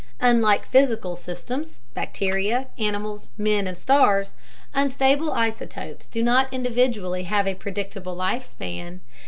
Unlike physical "systems" bacteria, animals, men and stars unstable isotopes do not individually have a predictable life span.